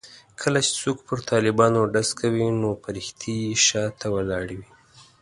کله چې څوک پر طالبانو ډز کوي نو فرښتې یې شا ته ولاړې وي.